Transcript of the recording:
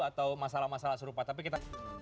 atau masalah masalah serupa tapi kita